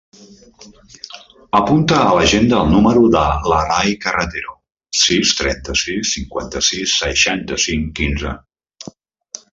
Apunta a l'agenda el número de l'Aray Carretero: sis, trenta-sis, cinquanta-sis, seixanta-cinc, quinze.